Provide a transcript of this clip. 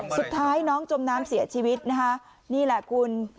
สุดท้ายน้องจมน้ำเสียชีวิตนะคะนี่แหละคุณ